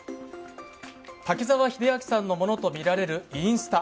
滝沢秀明さんのものとみられるインスタ。